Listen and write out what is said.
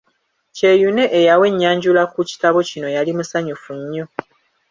Kyeyune eyawa ennyanjula ku kitabo kino yali musanyufu nnyo.